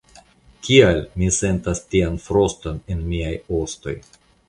Kial mi sentas tian froston en miaj ostoj?